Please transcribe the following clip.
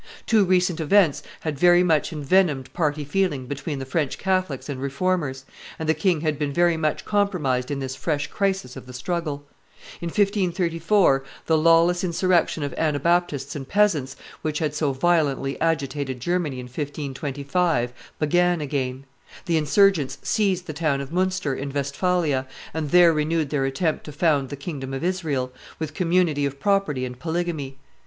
Two recent events had very much envenomed party feeling between the French Catholics and Reformers, and the king had been very much compromised in this fresh crisis of the struggle. In 1534 the lawless insurrection of Anabaptists and peasants, which had so violently agitated Germany in 1525, began again; the insurgents seized the town of Munster, in Westphalia, and there renewed their attempt to found the kingdom of Israel, with community of property and polygamy.